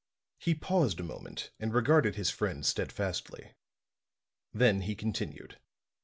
He paused a moment and regarded his friend steadfastly. Then he continued.